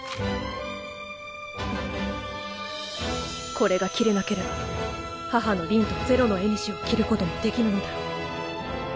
これが斬れなければ母のりんと是露の縁を斬ることも出来ぬのだろう